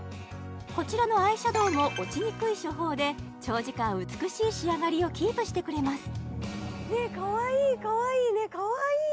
こちらのアイシャドウも落ちにくい処方で長時間美しい仕上がりをキープしてくれます